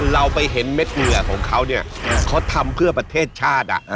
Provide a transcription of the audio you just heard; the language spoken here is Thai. เราไปเห็นเม็ดเหงื่อของเขาเนี่ยเขาทำเพื่อประเทศชาติ